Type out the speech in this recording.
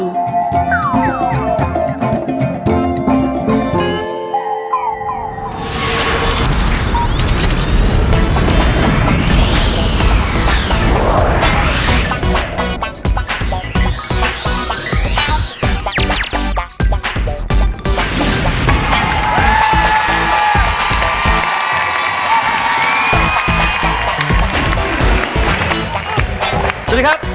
สวัสดีครับ